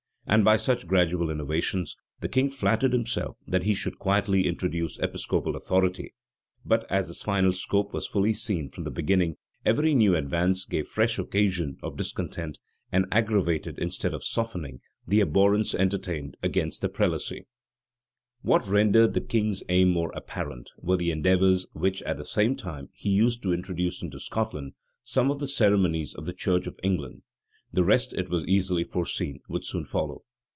[] And by such gradual innovations, the king flattered himself that he should quietly introduce episcopal authority: but as his final scope was fully seen from the beginning, every new advance gave fresh occasion of discontent, and aggravated, instead of softening, the abhorrence entertained against the prelacy. * 1598. 1606. What rendered the king's aim more apparent, were the endeavors which, at the same time, he used to introduce into Scotland some of the ceremonies of the church of England: the rest, it was easily foreseen, would soon follow.